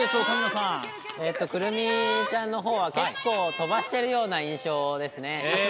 神野さん來南ちゃんのほうは結構飛ばしてるような印象ですね